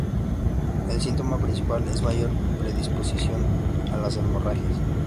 El síntoma principal es mayor predisposición a las hemorragias.